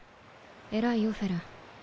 偉いよフェルン。